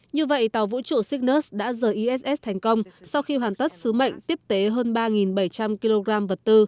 như vậy tàu vũ trụ signus đã rời iss thành công sau khi hoàn tất sứ mệnh tiếp tế hơn ba bảy trăm linh kg vật tư